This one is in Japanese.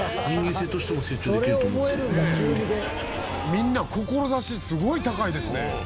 みんな志すごい高いですね。